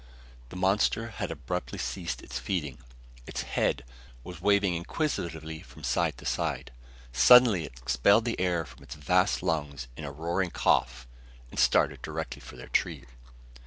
The monster had abruptly ceased its feeding. Its head, thrust high in the air, was waving inquisitively from side to side. Suddenly it expelled the air from its vast lungs in a roaring cough and started directly for their tree.